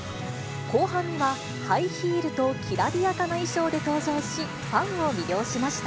後半には、ハイヒールときらびやかな衣装で登場し、ファンを魅了しました。